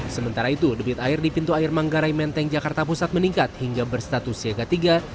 sementara itu debit air di pintu air manggarai menteng jakarta pusat meningkat hingga berstatus siaga tiga